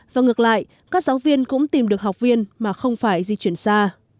và ngược lại các giáo viên cũng tìm được học viên mà không phải di chuyển xa